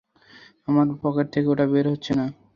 আমার পকেট থেকে ওটা বের হচ্ছে না।